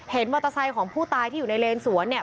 มอเตอร์ไซค์ของผู้ตายที่อยู่ในเลนสวนเนี่ย